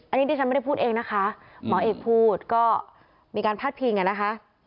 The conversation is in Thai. อันนี้ดิฉันไม่ได้พูดเองนะคะหมอเอกพูดก็มีการพาดพิงอ่ะนะคะ